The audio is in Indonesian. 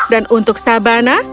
dan untuk sabana